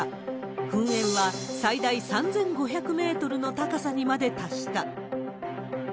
噴煙は最大３５００メートルの高さにまで達した。